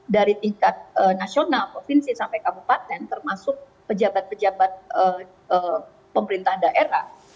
dari tingkat nasional provinsi sampai kabupaten termasuk pejabat pejabat pemerintah daerah